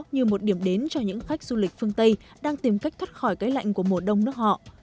như một điểm đến cho những khách du lịch phương tây đang tìm cách thoát khỏi cái lạnh của mùa đông nước họ